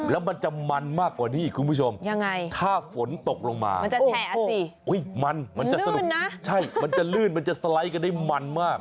แล้วมันจะมันมากกว่านี้คุณผู้ชมถ้าฝนตกลงมามันจะแฉะสิมันมันจะสนุกนะใช่มันจะลื่นมันจะสไลด์กันได้มันมาก